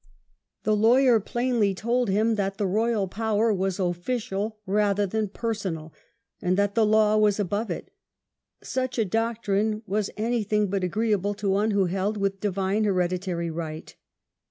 The lawyer plainly told him that the royal power was official rather Jjjthan personal, and that the Law was above it. Such a doctrine was anything but agreeable to one who held with "divine hereditary right".